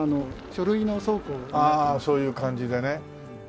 ああそういう感じでね。